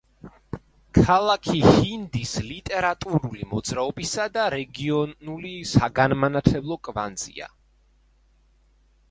ქალაქი ჰინდის ლიტერატურული მოძრაობისა და რეგიონული საგანმანათლებლო კვანძია.